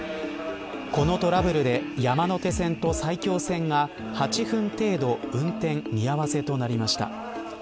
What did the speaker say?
このトラブルで山手線と埼京線が８分程度運転見合わせとなりました。